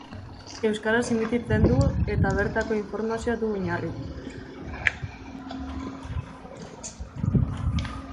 Euskaraz emititzen du eta bertako informazioa du oinarri.